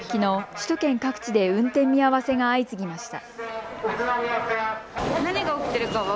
首都圏各地で運転見合わせが相次ぎました。